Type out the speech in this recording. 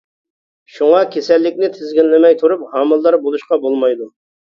شۇڭا كېسەللىكنى تىزگىنلىمەي تۇرۇپ ھامىلىدار بولۇشقا بولمايدۇ.